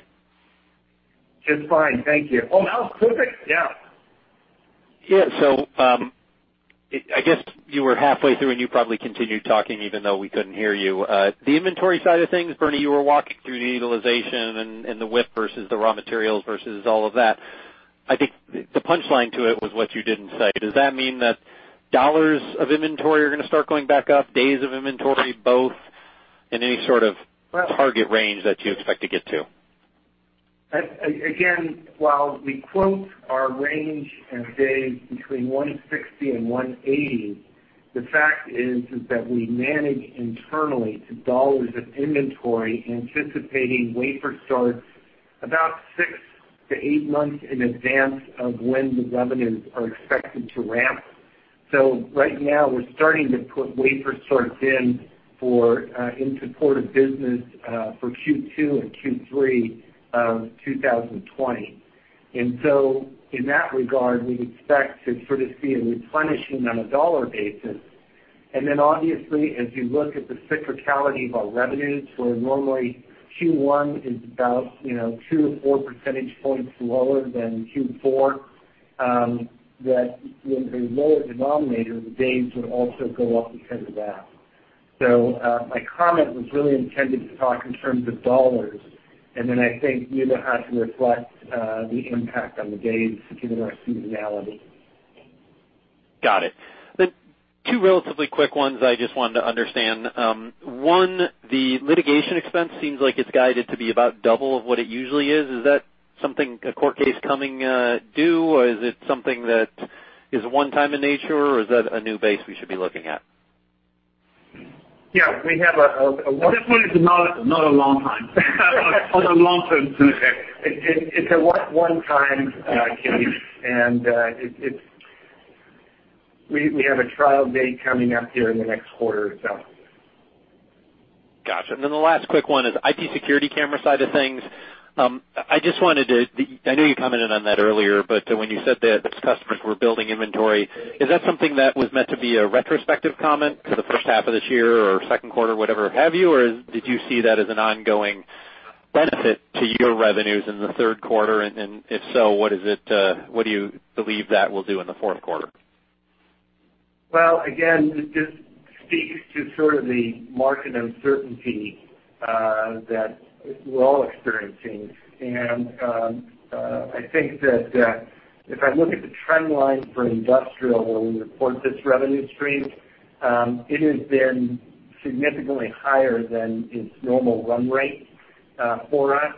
It's fine, thank you. Oh, now it's perfect. Yeah. I guess you were halfway through and you probably continued talking even though we couldn't hear you. The inventory side of things, Bernie, you were walking through the utilization and the WIP versus the raw materials versus all of that. I think the punchline to it was what you didn't say. Does that mean that dollars of inventory are going to start going back up, days of inventory, both, and any sort of target range that you expect to get to? While we quote our range and days between 160 and 180, the fact is that we manage internally to dollars of inventory, anticipating wafer starts about six to eight months in advance of when the revenues are expected to ramp. Right now we're starting to put wafer starts in support of business for Q2 and Q3 of 2020. In that regard, we would expect to sort of see a replenishing on a dollar basis. Obviously, as you look at the cyclicality of our revenues, where normally Q1 is about two or four percentage points lower than Q4, that with a lower denominator, the days would also go up because of that. My comment was really intended to talk in terms of dollars, and then I think you have to reflect the impact on the days given our seasonality. Got it. Two relatively quick ones I just wanted to understand. One, the litigation expense seems like it's guided to be about double of what it usually is. Is that something, a court case coming due, or is it something that is one time in nature, or is that a new base we should be looking at? Yeah. We have a one- This one is not a long time. On the long-term perspective. It's a one time case, and we have a trial date coming up here in the next quarter. Got you. Then the last quick one is IP security camera side of things. I know you commented on that earlier, but when you said that those customers were building inventory, is that something that was meant to be a retrospective comment to the first half of this year or second quarter, whatever have you, or did you see that as an ongoing benefit to your revenues in the third quarter? If so, what do you believe that will do in the fourth quarter? Well, again, it just speaks to sort of the market uncertainty that we're all experiencing. I think that if I look at the trend line for industrial, where we report this revenue stream, it has been significantly higher than its normal run rate for us.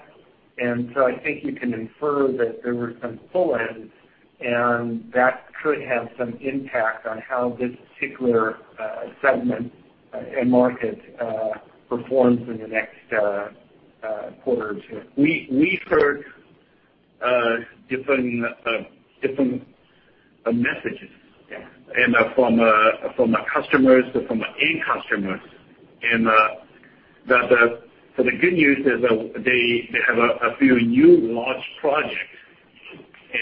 So I think you can infer that there were some pull-ins, and that could have some impact on how this particular segment and market performs in the next quarter or two. We heard different messages. Yeah from our customers, but from end customers, and that the good news is that they have a few new large projects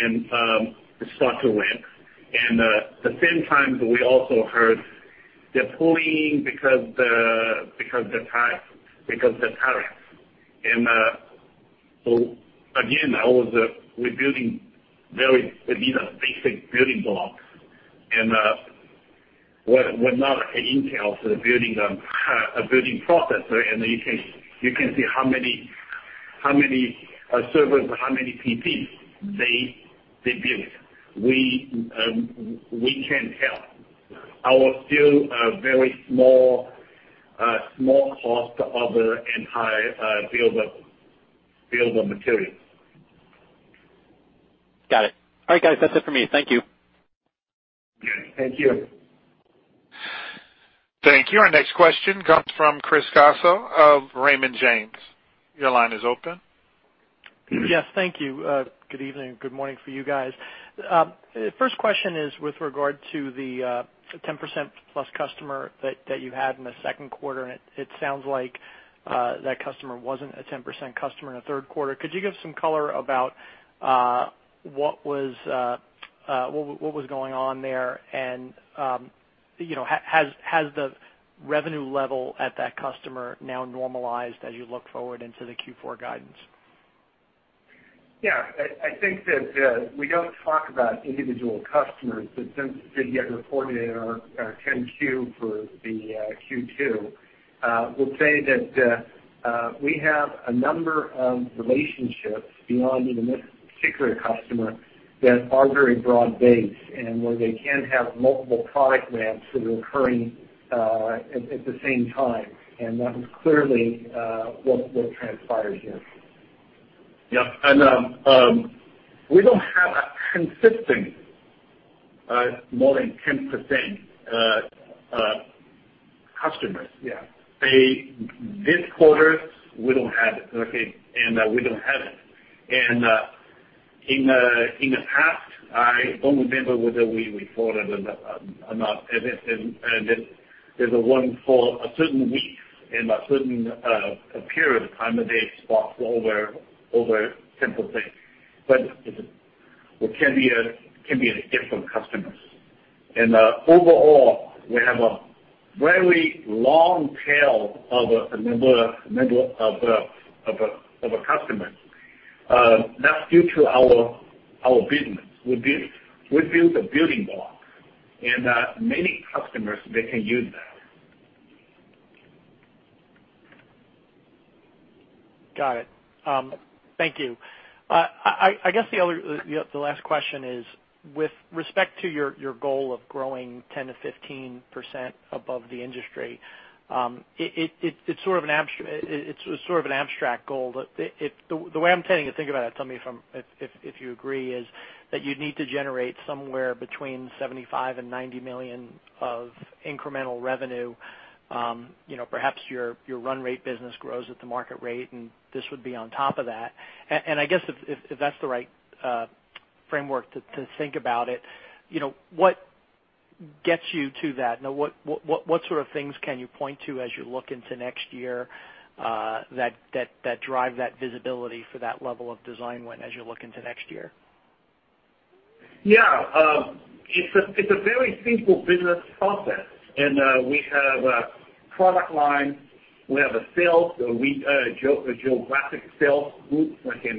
and start to win. At the same time, we also heard they're pulling because the tariff. Again, these are basic building blocks, and we're not Intel building a building processor, and you can see how many servers or how many PPs they build. We can't tell. Our still very small cost to other and high bill of materials. Got it. All right, guys. That's it for me. Thank you. Yeah. Thank you. Thank you. Our next question comes from Chris Caso of Raymond James. Your line is open. Yes, thank you. Good evening. Good morning for you guys. First question is with regard to the 10%+ customer that you had in the second quarter, and it sounds like that customer wasn't a 10% customer in the third quarter. Could you give some color about what was going on there? Has the revenue level at that customer now normalized as you look forward into the Q4 guidance? I think that we don't talk about individual customers, but since they get reported in our 10-Q for the Q2, we'll say that we have a number of relationships beyond even this particular customer that are very broad-based and where they can have multiple product ramps that are occurring at the same time, and that is clearly what transpired here. Yeah. We don't have a consistent more than 10% customers. Yeah. This quarter, we don't have it, okay? We don't have it. In the past, I don't remember whether we reported it or not, and if there's a one for a certain week and a certain period of time that they spot over 10%, but it can be different customers. Overall, we have a very long tail of a number of customers. That's due to our business. We build the building blocks, and many customers, they can use that. Got it. Thank you. I guess the last question is, with respect to your goal of growing 10%-15% above the industry, it's sort of an abstract goal. The way I'm tending to think about it, tell me if you agree, is that you need to generate somewhere between $75 million and $90 million of incremental revenue. Perhaps your run rate business grows at the market rate, and this would be on top of that. And I guess if that's the right framework to think about it, what gets you to that? What sort of things can you point to as you look into next year that drive that visibility for that level of design-in win as you look into next year? Yeah. It's a very simple business process, and we have a product line, we have a sales, a geographic sales group, and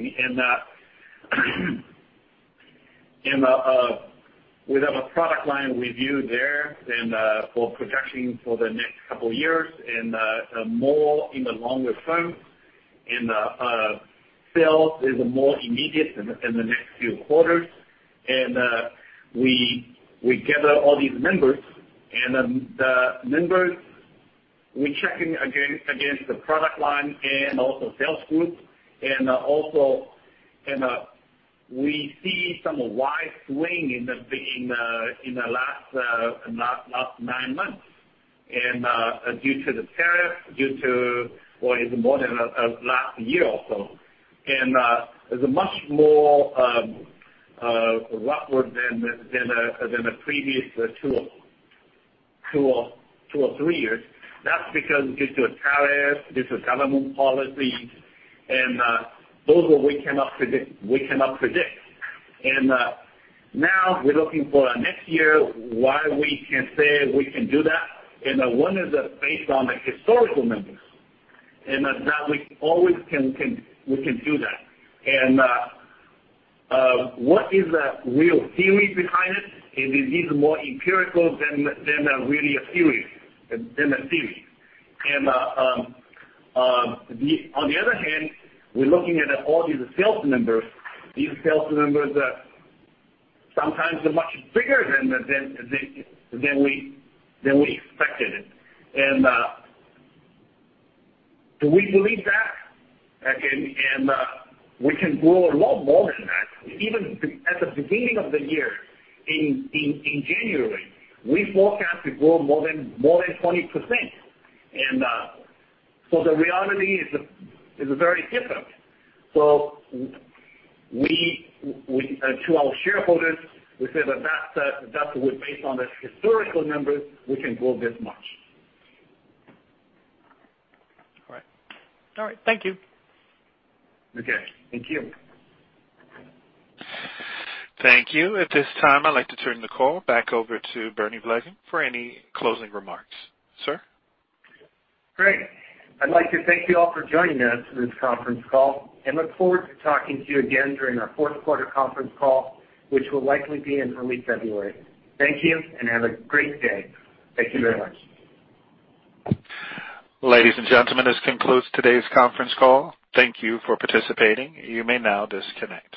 we have a product line review there, and for projections for the next couple of years, and more in the longer term. Sales is more immediate in the next few quarters. We gather all these members, we're checking against the product line and also sales group, and we see some wide swing in the last nine months, and due to the tariff, due to, well, it's more than last year also. There's a much more upward than the previous two or three years. That's because, due to tariffs, due to government policies, and those we cannot predict. Now we're looking for next year, why we can say we can do that, one is based on the historical numbers, that we always can do that. What is the real theory behind it? It is even more empirical than really a theory. On the other hand, we're looking at all these sales numbers. These sales numbers are sometimes much bigger than we expected. Do we believe that? We can grow a lot more than that. Even at the beginning of the year, in January, we forecast to grow more than 20%. The reality is very different. To our shareholders, we say that's based on the historical numbers, we can grow this much. All right. All right. Thank you. Okay. Thank you. Thank you. At this time, I'd like to turn the call back over to Bernie Blegen for any closing remarks. Sir? Great. I'd like to thank you all for joining us for this conference call and look forward to talking to you again during our fourth quarter conference call, which will likely be in early February. Thank you, and have a great day. Thank you very much. Ladies and gentlemen, this concludes today's conference call. Thank you for participating. You may now disconnect.